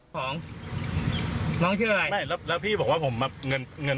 คนยังไม่ตามทิ้งความผิดทำไง